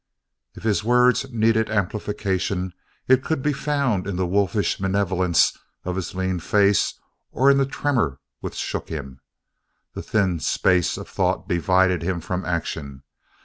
If his words needed amplification it could be found in the wolfish malevolence of his lean face or in the tremor which shook him; the thin space of a thought divided him from action.